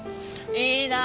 いいなあ。